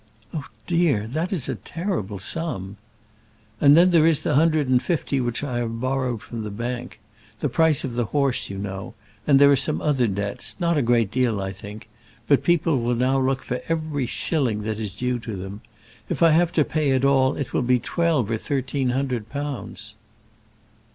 "Oh, dear! that is a terrible sum." "And then there is the hundred and fifty which I have borrowed from the bank the price of the horse, you know; and there are some other debts, not a great deal, I think; but people will now look for every shilling that is due to them. If I have to pay it all, it will be twelve or thirteen hundred pounds."